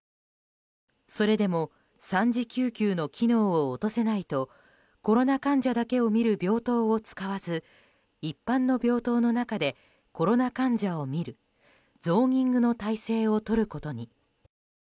それでも３次救急の機能を落とせないとコロナ患者だけを診る病棟を使わず一般の病棟の中でコロナ患者を診るゾーニングの体制をとることに。